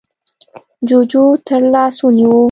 جُوجُو تر لاس ونيو: